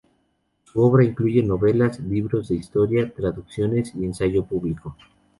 Su obra incluye novelas, libros de historia, traducciones y ensayo político.